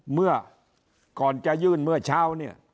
เมื่อก่อนจะยื่นเมื่อเช้าเนี่ย